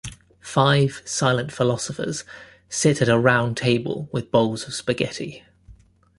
Five silent philosophers sit at a round table with bowls of spaghetti.